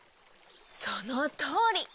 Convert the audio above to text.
そのとおり。